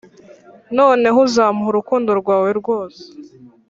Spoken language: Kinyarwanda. noneho uzamuha urukundo rwawe rwose,